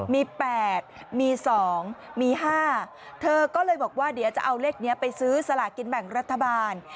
มี๘มี๒มี๕เธอก็เลยบอกว่าเดี๋ยวจะเอาเลขนี้ไปซื้อสลากินแบ่งรัฐบาล